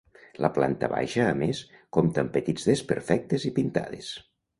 La planta baixa a més, compta amb petits desperfectes i pintades.